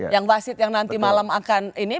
yang wasit yang nanti malam akan ini